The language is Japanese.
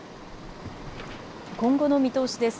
今後の見通しです。